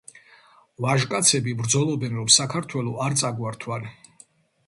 ვაჟკაცები ბრძოლობენ რომ საქართველო არ წაგვართვან